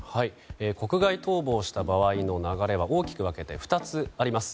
国外逃亡した場合の流れは大きく分けて２つあります。